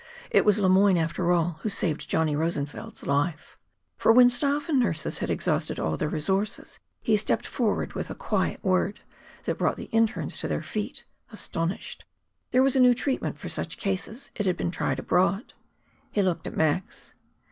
It was Le Moyne, after all, who saved Johnny Rosenfeld's life. For, when staff and nurses had exhausted all their resources, he stepped forward with a quiet word that brought the internes to their feet astonished. There was a new treatment for such cases it had been tried abroad. He looked at Max.